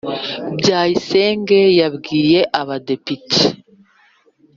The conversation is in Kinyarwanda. bayisenge yabwiye abadepite